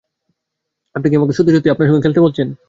আপনি কি আমাকে সত্যি-সত্যি আপনার সঙ্গে খেতে বলছেন?